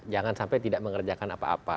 jangan sampai tidak mengerjakan apa apa